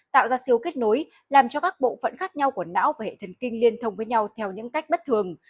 tạo ra siêu kết nối làm cho các bộ phận khác nhau của não và hệ thần kinh liên thông với nhau theo những cách bất thường